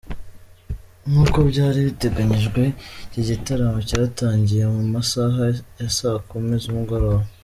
Nkuko byari biteganyijwe iki gitaramo cyatangiye mu masaha ya saa kumi z’umugoroba .